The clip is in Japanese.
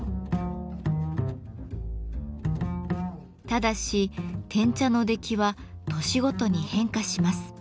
ただし碾茶の出来は年ごとに変化します。